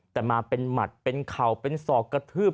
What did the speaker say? แต่มาเป็นหมัดเป็นเข่าเป็นศอกกระทืบ